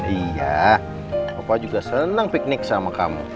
iya opa juga seneng piknik sama kamu